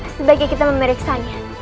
sebaiknya kita memeriksanya